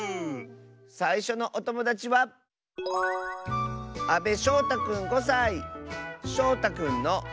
さいしょのおともだちはしょうたくんの。